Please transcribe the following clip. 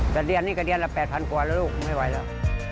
แต่เดือนนี้ก็เดือนละ๘๐๐กว่าแล้วลูกไม่ไหวแล้ว